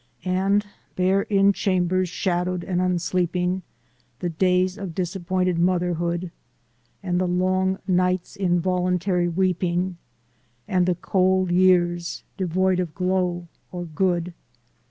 And bear in chambers shadowed and unsleeping The days of disappointed motherhood And the long night's involuntary weeping And the cold years devoid of glow or good.